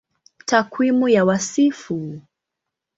Takwimu ya Wasifu